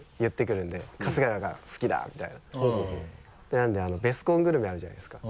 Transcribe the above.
なんで「ベスコングルメ」あるじゃないですか。